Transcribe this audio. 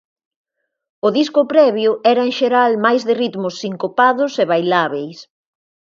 O disco previo era en xeral máis de ritmos sincopados e bailábeis.